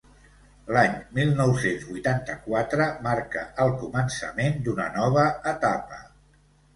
L'any mil nou-cents vuitanta-quatre marca el començament d'una nova etapa.